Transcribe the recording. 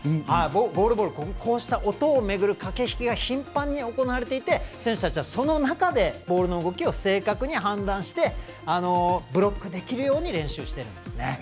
ゴールボール、こうした音を巡る駆け引きが頻繁に行われていて選手たちはその中でボールの動きを正確に判断してブロックできるように練習してるんですね。